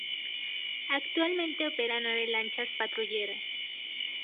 Actualmente opera nueve lanchas patrulleras.